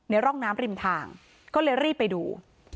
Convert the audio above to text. ร่องน้ำริมทางก็เลยรีบไปดู